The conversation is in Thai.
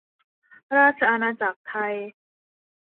ราชอาณาจักรไทย